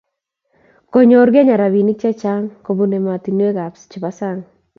konyor kenya rabinik checheng kobun ematushwek chebo sang